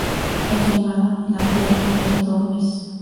Es llamada "La Perla del Torbes".